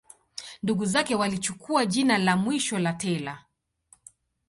Ndugu zake walichukua jina la mwisho la Taylor.